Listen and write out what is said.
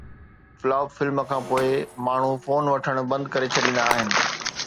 flop film کان پوءِ ماڻهو فون وٺڻ بند ڪري ڇڏيندا آهن